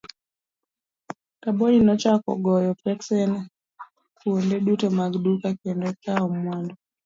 Kabonyi nochako goyo peksen kuonde duto mag duka kendo kawo mwandu.